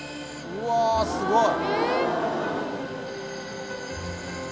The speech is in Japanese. うわすごい！